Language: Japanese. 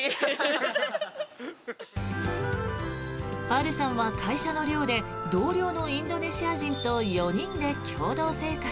アルさんは会社の寮で同僚のインドネシア人と４人で共同生活。